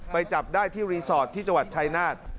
จับได้ที่รีสอร์ทที่จังหวัดชายนาฏ